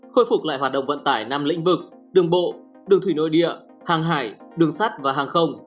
khôi phục lại hoạt động vận tải năm lĩnh vực đường bộ đường thủy nội địa hàng hải đường sắt và hàng không